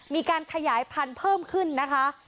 มีการขยายพันธุ์เพิ่มขึ้นนะคะ